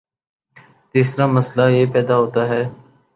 تیسرامسئلہ یہ پیدا ہوتا ہے